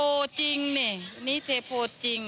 กันดูหน่อยว่าช่วงข้าวบรรคาแบบนี้คล้ายดีขนาดไหนคะ